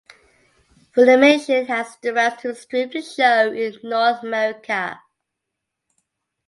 Funimation has the rights to stream the show in North America.